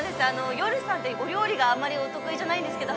ヨルさんてお料理があんまりお得意じゃないんですけど。